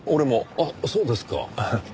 あっそうですか。